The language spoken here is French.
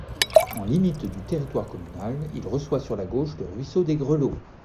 En limite du territoire communal, il reçoit sur la gauche le ruisseau des Grelots.